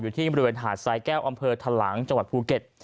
ที่บริเวณหาดสายแก้วอำเภอทะลังจังหวัดภูเก็ต